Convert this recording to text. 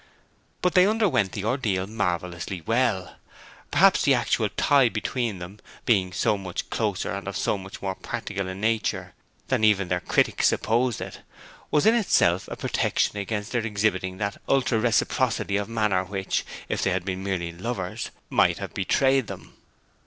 But they underwent the ordeal marvellously well. Perhaps the actual tie between them, through being so much closer and of so much more practical a nature than even their critic supposed it, was in itself a protection against their exhibiting that ultra reciprocity of manner which, if they had been merely lovers, might have betrayed them.